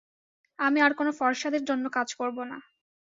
আমি আর কোনো ফর্সা দের জন্য কাজ করব না।